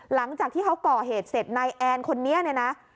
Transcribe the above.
หลังจากที่เขาก่อเหตุเสร็จนายแอนคนนี้เนี่ยนะ